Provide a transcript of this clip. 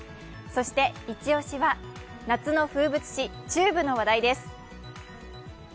そしてイチ押しは、夏の風物詩ＴＵＢＥの話題です。